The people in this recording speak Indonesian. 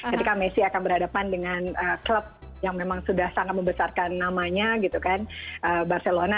ketika messi akan berhadapan dengan klub yang memang sudah sangat membesarkan namanya gitu kan barcelona